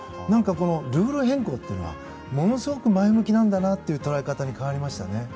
ルール変更っていうのはものすごく前向きなんだなという捉え方に変わりましたね。